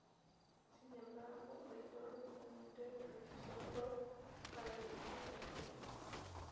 Sin embargo, del Toro finalmente rechazó "Thor" para dirigir "El hobbit".